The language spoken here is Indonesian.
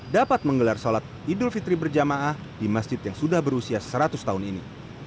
dapat menggelar sholat idul fitri berjamaah di masjid yang sudah berusia seratus tahun ini